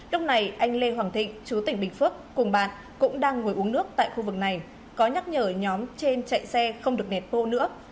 lúc này anh lê hoàng thịnh chú tỉnh bình phước cùng bạn cũng đang ngồi uống nước tại khu vực này có nhắc nhở nhóm trên chạy xe không được nẹt bô nữa